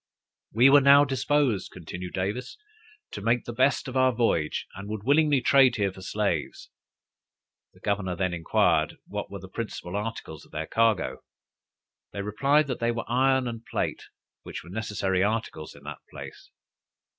"We were now disposed," continued Davis, "to make the best of our voyage, and would willingly trade here for slaves." The governor then inquired what were the principal articles of their cargo. They replied, that they were iron and plate, which were necessary articles in that place.